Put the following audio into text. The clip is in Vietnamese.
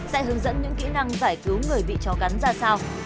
sẽ hướng dẫn những kỹ năng giải cứu người bị chó cắn ra sao